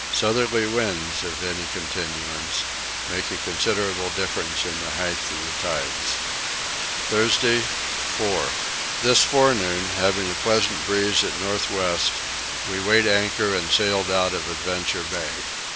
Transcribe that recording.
Southerly winds, if of any continuance, make a considerable difference in the height of the tides. Thursday 4. This forenoon, having a pleasant breeze at north west, we weighed anchor and sailed out of Adventure Bay.